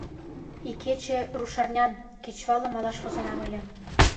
Икече, рушарнян, кечывалым малаш возынам ыле...